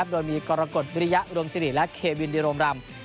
โดยมีกรกฎวิริยะรวมสิริและเควินดิโรมรำ